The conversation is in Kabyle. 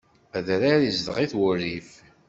Adrar izdeɣ-it wurrif.